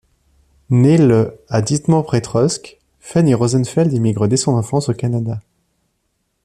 Née le à Dnipropetrovsk, Fanny Rosenfeld émigre dès son enfance au Canada.